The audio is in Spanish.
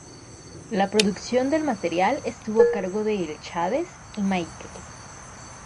La producción del material estuvo a cargo de El Chávez y Maikel.